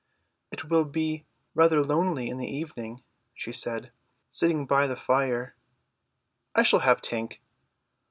"It will be rather lonely in the evening," she said, "sitting by the fire." "I shall have Tink."